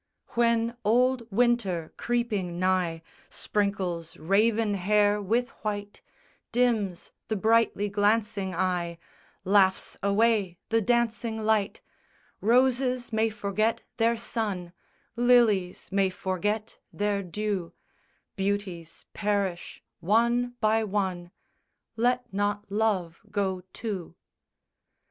_ _When old winter, creeping nigh, Sprinkles raven hair with white, Dims the brightly glancing eye, Laughs away the dancing light, Roses may forget their sun, Lilies may forget their dew, Beauties perish, one by one, Let not love go, too.